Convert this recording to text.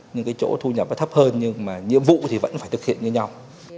nhưng cái chỗ thu nhập nó thấp hơn nhưng mà nhiệm vụ thì vẫn phải thực hiện như nhau